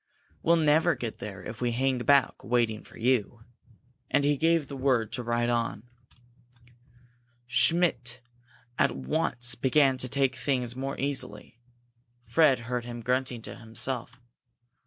"We'll never get there if we hang back waiting for you." And he gave the word to ride on. Schmidt at once began to take things more easily. Fred heard him grunting to himself.